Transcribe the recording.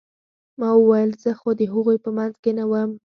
ما وويل زه خو د هغوى په منځ کښې نه وم.